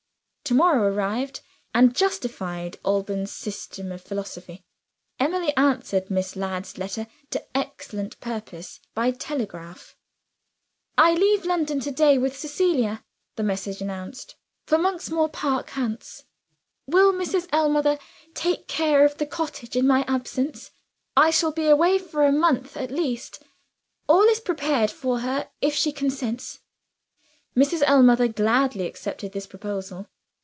To morrow arrived, and justified Alban's system of philosophy. Emily answered Miss Ladd's letter, to excellent purpose, by telegraph. "I leave London to day with Cecilia" (the message announced) "for Monksmoor Park, Hants. Will Mrs. Ellmother take care of the cottage in my absence? I shall be away for a month, at least. All is prepared for her if she consents." Mrs. Ellmother gladly accepted this proposal.